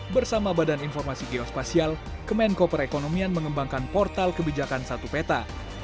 bersama badan informasi geospasial kemenko perekonomian mengembangkan portal kebijakan satu peta